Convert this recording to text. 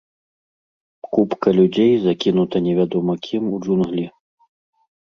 Купка людзей закінута невядома кім у джунглі.